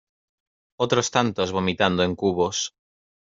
otros tantos vomitando en cubos